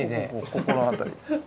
ここの辺り。